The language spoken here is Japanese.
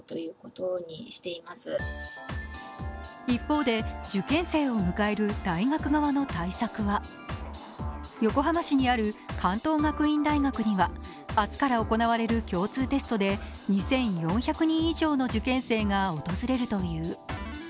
一方で受験生を迎える大学側の対策は横浜市にある関東学院大学には明日から行われる共通テストで２４００人以上の受験生が訪れるという。